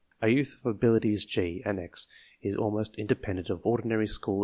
A youth of abilities G, and X, is almost independent of ordinary school education.